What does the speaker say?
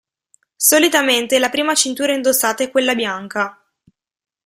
Solitamente la prima cintura indossata è quella bianca.